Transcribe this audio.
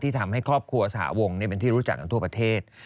ทำให้ครอบครัวสหวงเป็นที่รู้จักกันทั่วประเทศ